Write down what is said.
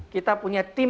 kita punya tim